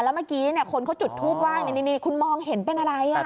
แล้วเมื่อกี้คนเขาจุดทูบว่างในนิดนี้คุณมองเห็นเป็นอะไร